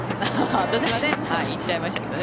私はね言っちゃいましたけどね。